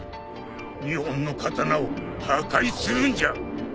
２本の刀を破壊するんじゃ。